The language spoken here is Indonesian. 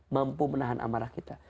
mampu menahan amarah kita